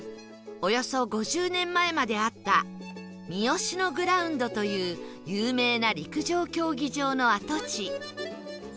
およそ５０年前まであった美吉野グラウンドという有名な陸上競技場の跡地